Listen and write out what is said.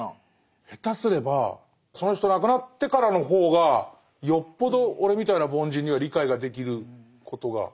下手すればその人亡くなってからの方がよっぽど俺みたいな凡人には理解ができることが。